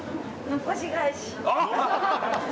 残し返し！